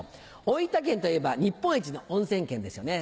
大分県といえば日本一の温泉県ですよね。